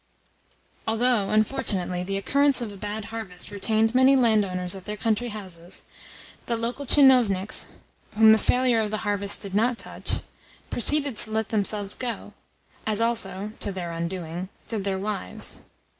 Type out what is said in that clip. Although, unfortunately, the occurrence of a bad harvest retained many landowners at their country houses, the local tchinovniks (whom the failure of the harvest did NOT touch) proceeded to let themselves go as also, to their undoing, did their wives.